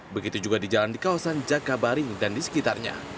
begitu juga di jalan di kawasan jakabaring dan di sekitarnya